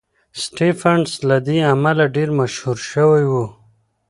سټېفنس له دې امله ډېر مشهور شوی و.